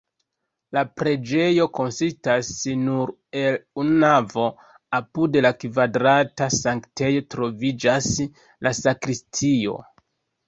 La preĝejo konsistas nur el unu navo, apud la kvadrata sanktejo troviĝas la sakristio.